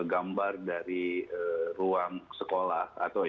gambar dari ruang sekolah